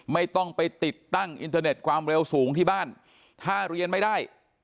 ไม่ต้องไปติดตั้งอินเทอร์เน็ตความเร็วสูงที่บ้านถ้าเรียนไม่ได้